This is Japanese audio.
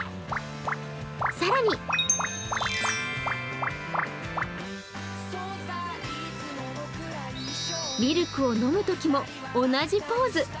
更に、ミルクを飲むときも同じポーズ。